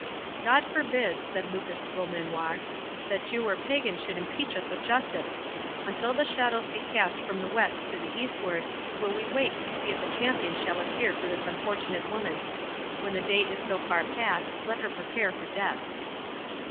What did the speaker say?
"God forbid," said Lucas Beaumanoir, "that Jew or Pagan should impeach us of injustice!—Until the shadows be cast from the west to the eastward, will we wait to see if a champion shall appear for this unfortunate woman. When the day is so far passed, let her prepare for death."